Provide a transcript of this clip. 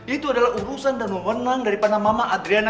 itu adalah urusan dan mewenang daripada mama adriana